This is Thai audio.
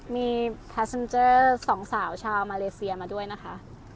มีส่องสาวชาวมาเลเซียมาด้วยนะคะ